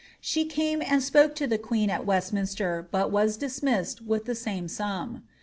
She came and spoke to the queen at Westminster but was dismissed with the same sum.